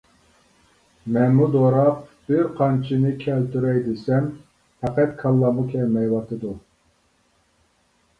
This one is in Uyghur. مەنمۇ دوراپ بىر قانچىنى كەلتۈرەي دېسەم پەقەت كاللامغا كەلمەيۋاتىدۇ.